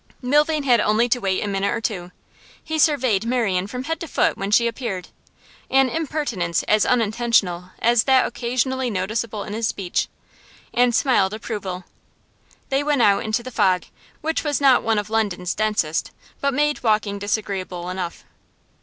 Milvain had only to wait a minute or two. He surveyed Marian from head to foot when she appeared an impertinence as unintentional as that occasionally noticeable in his speech and smiled approval. They went out into the fog, which was not one of London's densest, but made walking disagreeable enough.